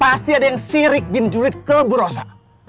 pasti ada yang sirik bin julid ke bu rosa